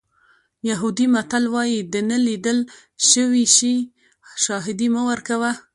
یهودي متل وایي د نه لیدل شوي شي شاهدي مه ورکوه.